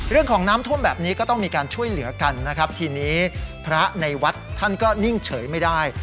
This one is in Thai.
เรื่องของน้ำท่วมแบบนี้ก็ต้องมีการช่วยเหลือกันนะครับทีนี้พระในวัดท่านก็นิ่งเฉยไม่ได้